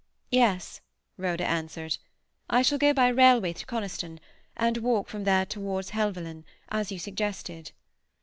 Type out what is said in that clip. "Yes," Rhoda answered. "I shall go by railway to Coniston, and walk from there towards Helvellyn, as you suggested."